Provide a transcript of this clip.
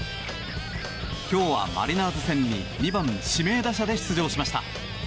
今日はマリナーズ戦に２番指名打者で出場しました。